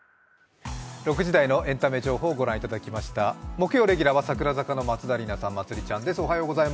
木曜レギュラーは櫻坂の松田里奈さん、まつりちゃんです。